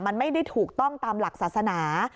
มันไม่ได้ถูกต้องตามหลักศาสนา